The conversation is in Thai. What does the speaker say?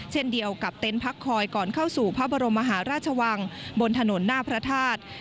เช่นเดียวกับเต็นต์พักคอยก่อนเข้าสู่พระบรมมหาราชวังบนถนนหน้าพระธาตุ